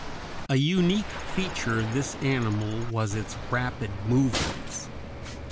A unique feature of this animal was its rapid movements.